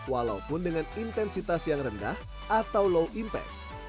walaupun dengan intensitas yang rendah atau low impact